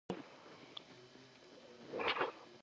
არის მრავალრიცხოვანი სტარტაპების მონაწილე.